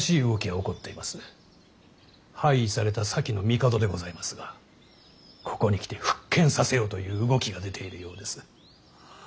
廃位された先の帝でございますがここに来て復権させようという動きが出ているようです。